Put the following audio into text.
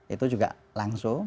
itu juga langsung